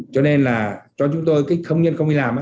cho nên là cho chúng tôi công nhân không đi làm